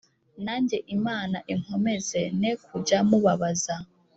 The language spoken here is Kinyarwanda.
nanjye imana inkomeze, ne kujya mubabaza;